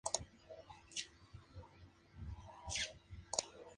Sin embargo no encuentran recuerdos sobre el escape.